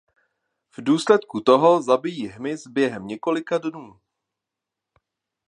V důsledku toho zabijí hmyz během několika dnů.